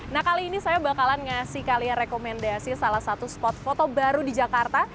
nah kali ini saya bakalan ngasih kalian rekomendasi salah satu spot foto baru di jakarta